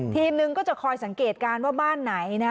ทีมหนึ่งก็จะคอยสังเกตการณ์ว่าบ้านไหนนะ